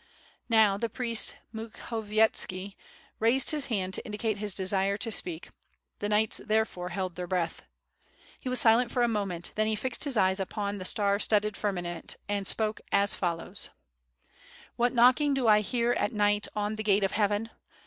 Now the priest Mukhovietski raised his hand to indicate his desire to speak, the knights therefore held their breath. He was silent for a moment, then he fixed his eyes upon the star studded firmament and spoke as follows: 772 WITH FIRE AND SWORD. ^' *What knocking do I hear at night on the gate of Heaven?